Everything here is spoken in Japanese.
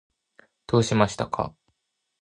どうしましたか？